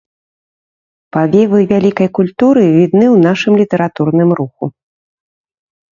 Павевы вялікай культуры відны ў нашым літаратурным руху.